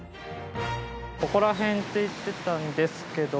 ここら辺って言ってたんですけども。